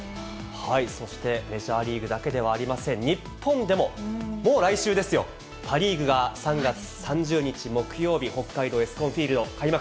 そしてメジャーリーグだけではありません、日本でももう来週ですよ、パ・リーグが３月３０日木曜日、北海道エスコンフィールド開幕。